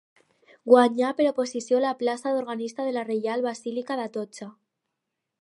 Guanyà per oposició la plaça d'organista de la Reial Basílica d'Atocha.